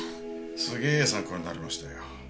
すげえ参考になりましたよ。